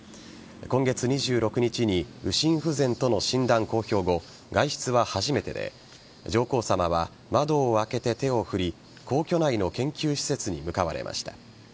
今月２６日に右心不全との診断公表後外出は初めてで上皇さまは窓を開けて手を振り皇居内の研究施設に向かわれました。